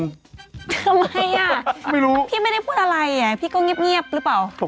ทำไมอ่ะพี่ไม่ได้พูดอะไรอ่ะพี่ก็เงี๊บหรือเปล่าพี่ไม่รู้